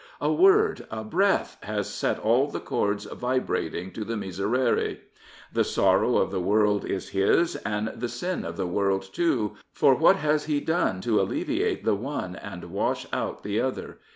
A word, a breath, has set all the chords vibrating to the miserere. The sorrow of the world is his, and the sin of the world too, for what has he done to alleviate the one and wash out the other?